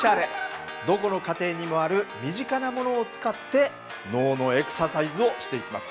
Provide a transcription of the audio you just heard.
どこの家庭にもある身近なものを使って脳のエクササイズをしていきます。